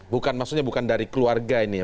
bukan maksudnya bukan dari keluarga ini ya